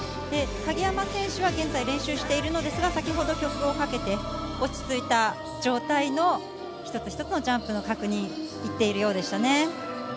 鍵山選手は現在練習しているんですが、先ほど曲をかけて落ち着いた状態の一つ一つのジャンプの確認に行っているようでした。